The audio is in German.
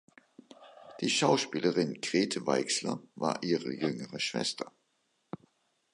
Die Schauspielerin Grete Weixler war ihre jüngere Schwester.